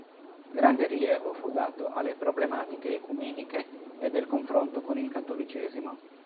Grande rilievo fu dato alle problematiche ecumeniche e del confronto con il cattolicesimo.